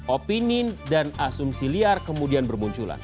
opini dan asumsi liar kemudian bermunculan